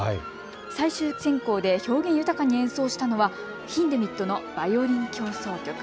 最終選考で表現豊かに演奏したのはヒンデミットのバイオリン協奏曲。